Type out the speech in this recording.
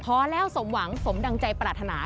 พอแล้วสมหวังสมดังใจปรารถนา